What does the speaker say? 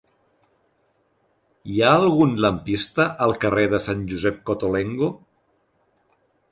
Hi ha algun lampista al carrer de Sant Josep Cottolengo?